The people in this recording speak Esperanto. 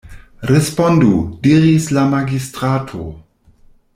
Respondu, diris la magistrato.